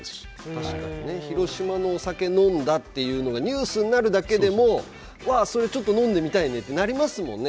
確かにね広島のお酒飲んだっていうのがニュースになるだけでもそれちょっと飲んでみたいねってなりますもんね